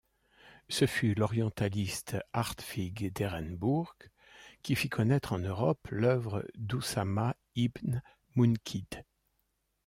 Ce fut l'orientaliste Hartwig Derenbourg qui fit connaître en Europe l'œuvre d'Usama ibn Munqidh.